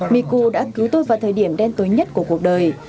miku đã cứu tôi vào thời điểm đen tối nhất của cuộc đời